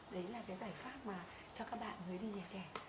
đấy là cái giải pháp cho các bạn người đi nhà trẻ